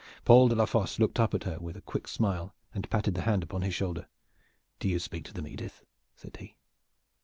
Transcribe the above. Paul de la Fosse looked up at her with a quick smile and patted the hand upon his shoulder. "Do you speak to them, Edith," said he.